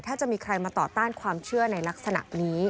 ถ้าจะมีใครมาต่อต้านความเชื่อในลักษณะนี้